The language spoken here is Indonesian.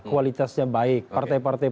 kualitasnya baik partai partai